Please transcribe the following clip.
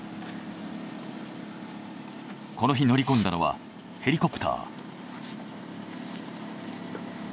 この日乗り込んだのはヘリコプター。